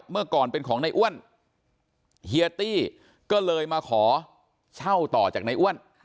เมื่อก่อนเป็นของในอ้วนเฮียตี้ก็เลยมาขอเช่าต่อจากในอ้วน